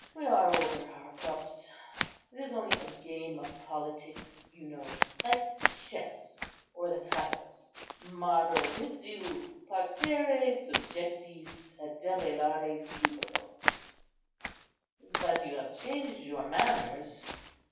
We are over our cups; it's only a game of politics, you know, like chess or the cottabus. Maro bids you 'parcere subjectis, et debellare superbos;' but you have changed your manners.